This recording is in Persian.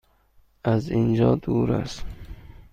از اینجا دور است؟